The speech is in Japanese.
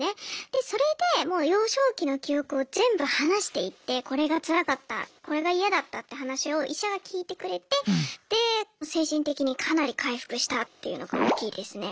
でそれでもう幼少期の記憶を全部話していってこれがつらかったこれが嫌だったって話を医者が聞いてくれてで精神的にかなり回復したっていうのが大きいですね。